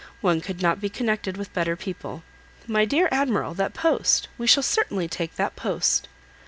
One could not be connected with better people. My dear Admiral, that post! we shall certainly take that post."